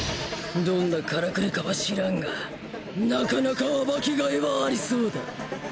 どんなカラクリかは知らんがなかなか暴きがいはありそうだ。